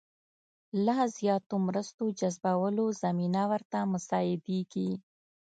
لا زیاتو مرستو جذبولو زمینه ورته مساعدېږي.